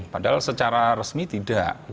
padahal secara resmi tidak